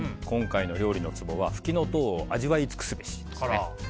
今回の料理のツボはフキノトウを味わい尽くすべしです。